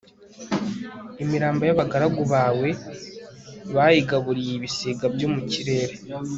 imirambo y'abagaragu bawe, bayigaburiye ibisiga byo mu kirere